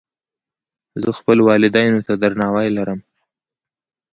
زه خپلو والدینو ته درناوی لرم.